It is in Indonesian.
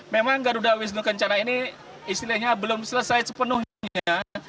memang garuda wisnu kencana ini istilahnya belum selesai sepenuhnya